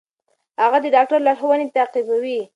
هغه د ډاکټر لارښوونې تعقیبوي.